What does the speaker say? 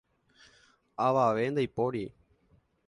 Avave ndaipóri.